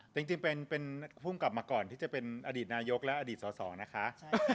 จริงเป็นภูมิกลับมาก่อนที่จะเป็นอดีตนายกและอดีตสอสอนะคะ